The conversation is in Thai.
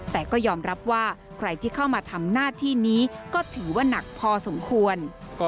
แต่ก็ยอมรับว่าใครที่เข้ามาทำหน้าที่นี้ก็ถือว่านักพอสมควร